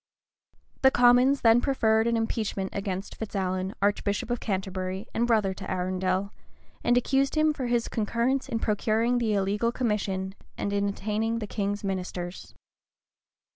The commons then preferred an impeachment against Fitz Alan, archbishop of Canterbury, and brother to Arundel, and accused him for his concurrence in procuring the illegal commission, and in attainting the king's ministers.